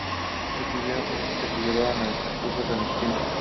Sus actividades políticas le llevaron a ser expulsado de instituto.